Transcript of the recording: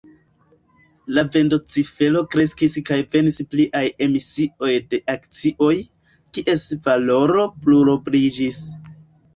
La vendocifero kreskis kaj venis pliaj emisioj de akcioj, kies valoro plurobliĝis.